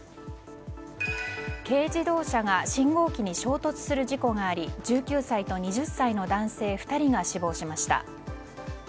軽自動車が信号機に衝突する事故があり１９歳と２０歳の男性２人が死亡しました。